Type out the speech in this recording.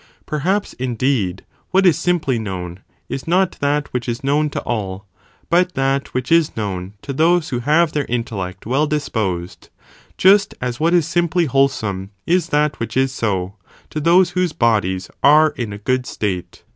Per haps indeed what is simply known is not that which is known 'to all, but that (which is known) to those who have their in tellect well disposed, just as what is simply wholesome is that which is so, to those whose bodies are in a good state.